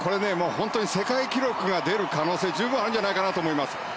本当に世界記録が出る可能性が十分あるんじゃないかと思います。